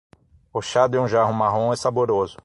O chá de um jarro marrom é saboroso.